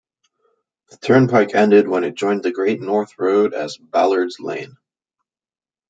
The turnpike ended when it joined the Great North Road as Ballards Lane.